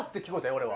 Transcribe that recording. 俺は。